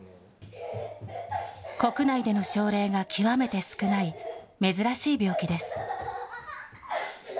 国内での症例が極めて少ない、珍しい病気です。